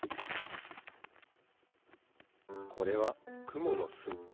これはくものす。